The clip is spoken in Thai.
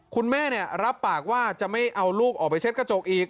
รับปากว่าจะไม่เอาลูกออกไปเช็ดกระจกอีก